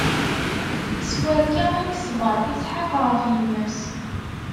S wakka i yeṣber Isḥaq ɣef yemma-s.